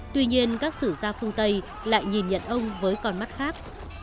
tuy nhiên các sử gia phương tây lại nhìn nhận ông với con mắt khác